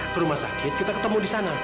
ke rumah sakit kita ketemu disana